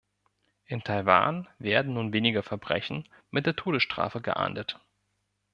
In Taiwan werden nun weniger Verbrechen mit der Todesstrafe geahndet.